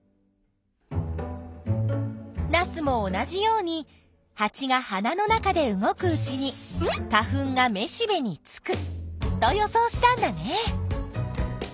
ナスも同じようにハチが花の中で動くうちに花粉がめしべにつくと予想したんだね。